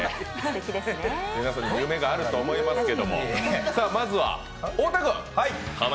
皆さん、夢があると思いますけれどもまずは太田君。